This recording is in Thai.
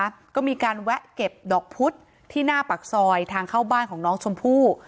แล้วก็มีการแวะเก็บดอกพุธที่หน้าปากซอยทางเข้าบ้านของน้องชมพู่